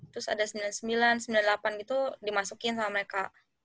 terus ada sembilan puluh sembilan sembilan puluh delapan gitu dimasukin sama mereka